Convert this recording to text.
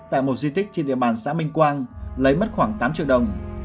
tại một di tích trên địa bàn xã minh quang lấy mất khoảng tám triệu đồng